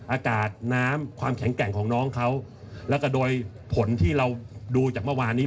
อากาศน้ำความแข็งแกร่งของน้องเขาแล้วก็โดยผลที่เราดูจากเมื่อวานนี้